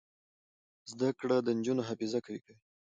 زده کړه د نجونو حافظه قوي کوي.